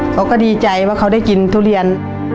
เขาก็ดีใจว่าเขาได้กินทุเรียน